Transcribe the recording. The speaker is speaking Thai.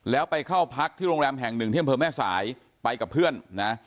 แล้วไปเข้าพักที่โรงแรมแห่งหนึ่งที่อำเภอแม่สายไปกับเพื่อนนะ